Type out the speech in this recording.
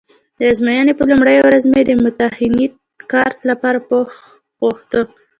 د ازموینې په لومړۍ ورځ مې د ممتحنیت کارت لپاره پوښ غوښته.